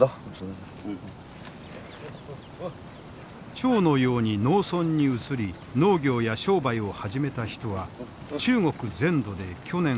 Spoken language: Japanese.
張のように農村に移り農業や商売を始めた人は中国全土で去年１，０００万